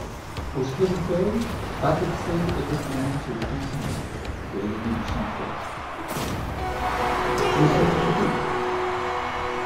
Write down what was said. Au spirituel, Battexey était une annexe de Tantimont, doyenné du Saintois, diocèse de Toul.